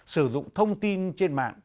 sử dụng thông tin trên mạng